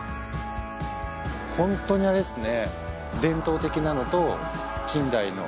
ホントにあれですね。